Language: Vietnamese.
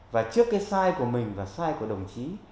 và trước cái sai của mình và sai của đồng chí